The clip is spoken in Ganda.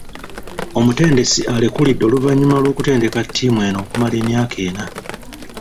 Omutendesi alekulidde oluvanyuma lw’okutendeka tiimu eno okumala emyaka ena.